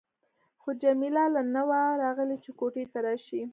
خو جميله لا نه وه راغلې چې کوټې ته راشي.